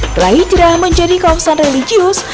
telah hijrah menjadi kawasan religius